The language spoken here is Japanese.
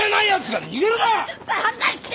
離して！